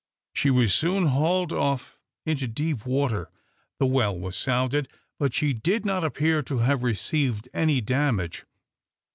She was soon hauled off into deep water. The well was sounded, but she did not appear to have received any damage.